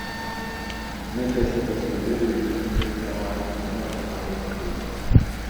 نَفَسِ تَصَوُّرِهِ وَتَدْفَعُ عَنْ إدْرَاكِ حَقِيقَتِهِ